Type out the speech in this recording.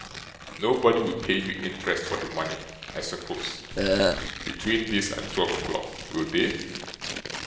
'Nobody will pay you interest for the money, I suppose, between this and twelve o'clock; will they?